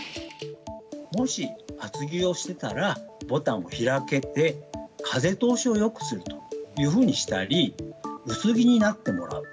もし厚着をしていたらボタンを開けて、風通しをよくするというふうにしたり薄着になってもらう。